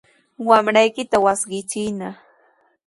Wamraykita wasqichiyna.